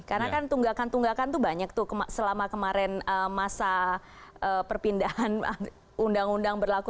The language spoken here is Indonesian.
karena kan tunggakan tunggakan itu banyak tuh selama kemarin masa perpindahan undang undang berlaku